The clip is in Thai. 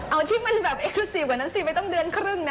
เอาที่มันแบบเก็บกว่านั่นสิไม่ต้องเดือนคลึงนะ